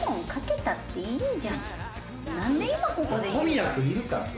小宮君いるからさ。